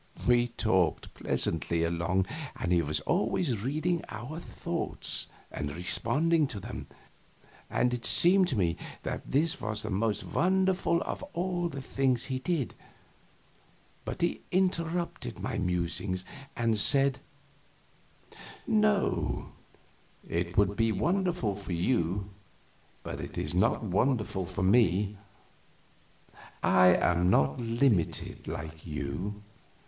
We talked pleasantly along, and he was always reading our thoughts and responding to them, and it seemed to me that this was the most wonderful of all the things he did, but he interrupted my musings and said: "No, it would be wonderful for you, but it is not wonderful for me. I am not limited like you.